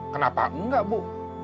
kenapa enggak bu